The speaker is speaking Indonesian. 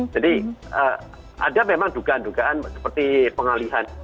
jadi ada memang dugaan dugaan seperti pengalihan